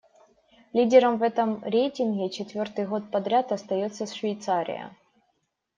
Лидером в этом рейтинге четвёртый год подряд остаётся Швейцария.